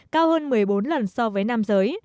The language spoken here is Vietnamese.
cao hơn một mươi bốn lần so với nam giới